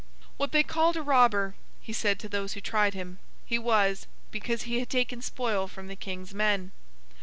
What they called a robber (he said to those who tried him) he was, because he had taken spoil from the King's men.